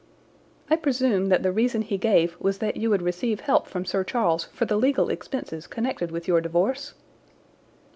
"I presume that the reason he gave was that you would receive help from Sir Charles for the legal expenses connected with your divorce?"